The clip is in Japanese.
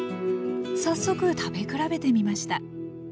早速食べ比べてみました